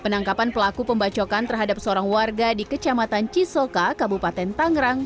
penangkapan pelaku pembacokan terhadap seorang warga di kecamatan cisoka kabupaten tangerang